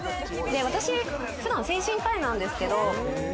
私、普段、精神科医なんですけど。